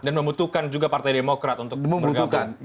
dan membutuhkan juga partai demokrat untuk bergabung